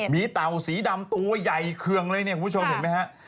มีเต่าสีดำตัวใหญ่เคืองเลยเนี่ยคุณผู้ชมเห็นไหมฮะ